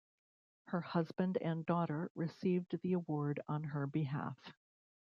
Her husband and daughter received the award on her behalf.